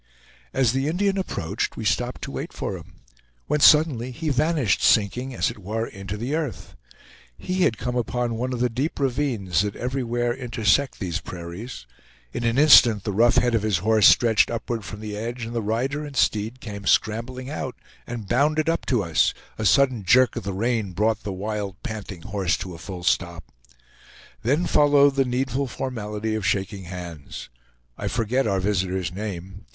As the Indian approached we stopped to wait for him, when suddenly he vanished, sinking, as it were, into the earth. He had come upon one of the deep ravines that everywhere intersect these prairies. In an instant the rough head of his horse stretched upward from the edge and the rider and steed came scrambling out, and bounded up to us; a sudden jerk of the rein brought the wild panting horse to a full stop. Then followed the needful formality of shaking hands. I forget our visitor's name.